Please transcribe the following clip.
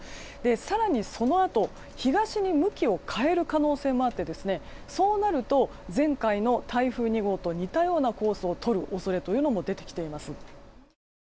更にそのあと、東に向きを変える可能性もあってそうなると、前回の台風２号と似たようなコースをとる恐れというのも出てきています。